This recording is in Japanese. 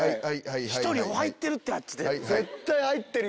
１人入ってるってあっち。